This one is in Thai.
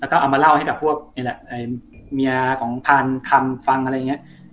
แล้วก็เอามาเล่าให้กับพวกพี่นี้แหละอ่ายเมียของพรคำฟังอะไรเงี้ย